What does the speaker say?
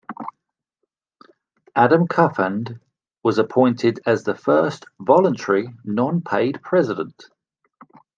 Adam Cuthand was appointed as the first voluntary non-paid president.